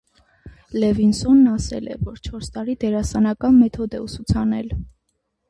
Լևինսոնն ասել է, որ չորս տարի դերասանական մեթոդ է ուսուցանել։